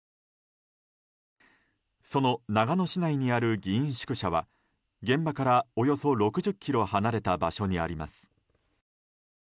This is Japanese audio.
その長野市内にある議員宿舎は現場からおよそ６０ｋｍ離れた場所にあります。